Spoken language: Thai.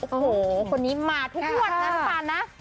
โอ้โหคนนี้มาทุกมวดแน่ครับ